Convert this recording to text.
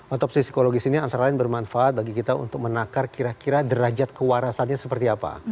otopsi psikologis ini antara lain bermanfaat bagi kita untuk menakar kira kira derajat kewarasannya seperti apa